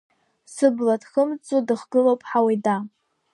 Сыбла дхымҵӡо дыхгылоуп Ҳауида.